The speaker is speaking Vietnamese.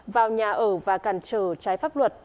vào nhà ở và cản trở trái pháp luật